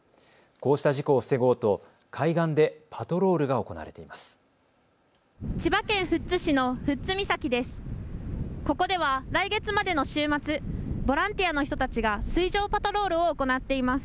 こうした事故を防ごうと海岸でパトロールが行われています。